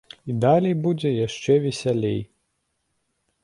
І далей будзе яшчэ весялей.